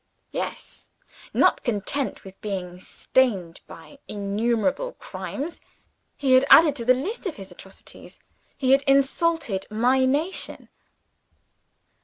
Yes! Not content with being stained by innumerable crimes, he had added to the list of his atrocities he had insulted my nation!